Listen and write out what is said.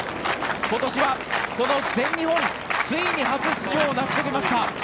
今年はこの全日本ついに初出場を成し遂げました。